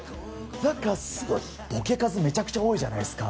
なんかすごいボケ数めちゃくちゃ多いじゃないですか。